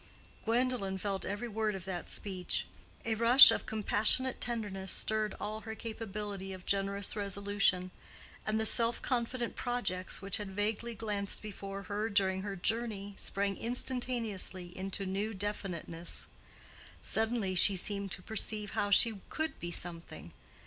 Gwendolen felt every word of that speech. A rush of compassionate tenderness stirred all her capability of generous resolution; and the self confident projects which had vaguely glanced before her during her journey sprang instantaneously into new definiteness. Suddenly she seemed to perceive how she could be "something."